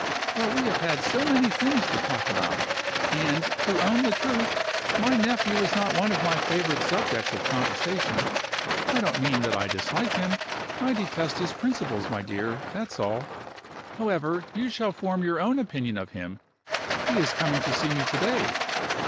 "But we have had so many things to talk about and, to own the truth, my nephew is not one of my favorite subjects of conversation. I don't mean that I dislike him; I detest his principles, my dear, that's all. However, you shall form your own opinion of him; he is coming to see me to day.